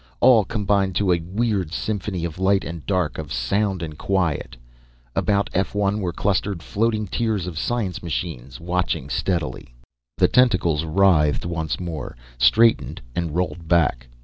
All combined to a weird symphony of light and dark, of sound and quiet. About F 1 were clustered floating tiers of science machines, watching steadily. The tentacles writhed once more, straightened, and rolled back.